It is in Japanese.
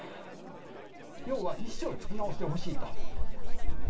要は一生償わせてほしいと。